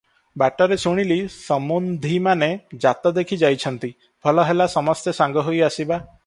ବାଟରେ ଶୁଣିଲି ସମୁନ୍ଧିମାନେ ଯାତ ଦେଖି ଯାଇଛନ୍ତି, ଭଲ ହେଲା, ସମସ୍ତେ ସାଙ୍ଗ ହୋଇ ଆସିବା ।